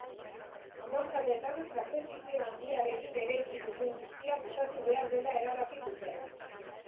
Hamarkadetan sakrifizio handiarekin eraiki dugun guztia bukatu behar dela erabaki dute.